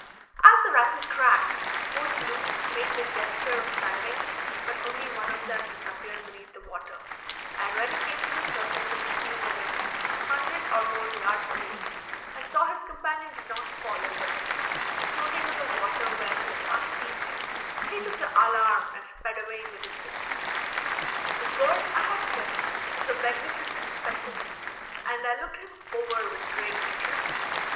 As the rifle cracked both loons made the gesture of diving, but only one of them disappeared beneath the water; and when he came to the surface in a few moments, a hundred or more yards away, and saw his companion did not follow, but was floating on the water where he had last seen him, he took the alarm and sped away in the distance. The bird I had killed was a magnificent specimen, and I looked him over with great interest.